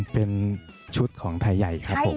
เป็นชุดของไทยใหญ่ครับผม